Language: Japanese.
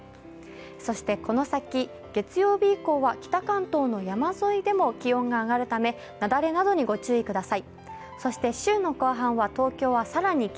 そしてこの先、月曜日以降は北関東の山沿いでも気温が上がるため、雪崩などにご注意ください。